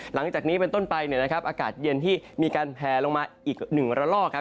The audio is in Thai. หลังจากนี้เป็นต้นไปอากาศเย็นที่มีการแผลลงมาอีก๑ระลอก